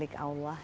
mereka milik allah